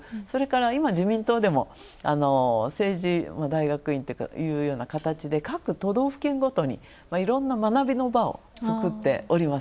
今、自民党でも政治大学院というような形で各都道府県ごとにいろんな学びの場を作っております。